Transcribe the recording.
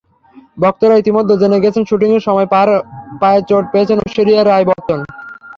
ভক্তরা ইতিমধ্যে জেনে গেছেন, শুটিংয়ের সময় পায়ে চোট পেয়েছেন ঐশ্বরিয়া রাই বচ্চন।